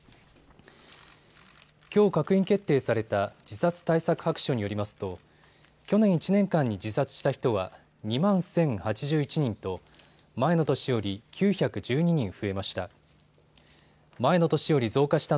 きょう閣議決定された自殺対策白書によりますと去年１年間に自殺した人は２万１０８１人と前の年より９１２人増えました。